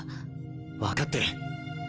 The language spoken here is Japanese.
分かってる。